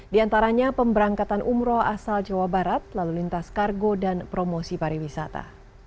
di antaranya pemberangkatan umroh asal jawa barat lalu lintas kargo dan promosi pariwisata